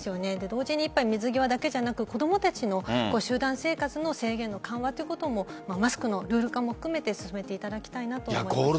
同時に水際だけじゃなく子供たちの集団生活の制限の緩和ということもマスクのルール化も含めて進めていただきたいと思います。